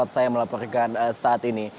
saya melaporkan saat ini